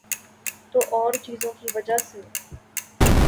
تو اورچیزوں کی وجہ سے۔